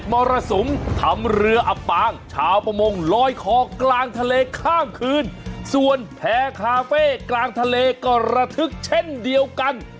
มรสุมทำเรืออับปางชาวประมงลอยคอกลางทะเลข้างคืนส่วนแพร่คาเฟ่กลางทะเลก็ระทึกเช่นเดียวกัน